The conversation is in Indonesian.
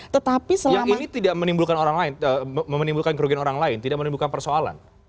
yang ini tidak menimbulkan kerugian orang lain tidak menimbulkan persoalan